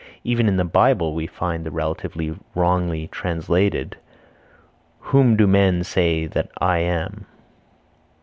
Even in the Bible we find the relative wrongly translated: Whom do men say that I am?